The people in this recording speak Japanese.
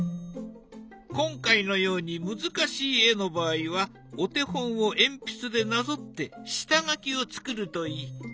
今回のように難しい絵の場合はお手本を鉛筆でなぞって下書きを作るといい。